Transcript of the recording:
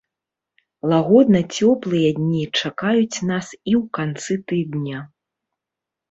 Лагодна-цёплыя дні чакаюць нас і ў канцы тыдня.